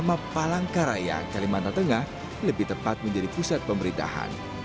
nama palangkaraya kalimantan tengah lebih tepat menjadi pusat pemerintahan